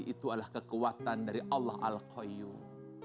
itu adalah kekuatan dari allah al qayyum